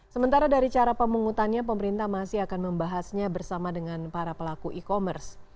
sementara dari cara pemungutannya pemerintah masih akan membahasnya bersama dengan para pelaku e commerce